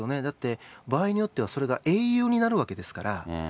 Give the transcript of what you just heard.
だって、場合によってはそれが英雄になるわけですから。